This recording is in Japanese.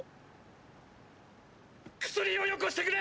薬をよこしてくれ！！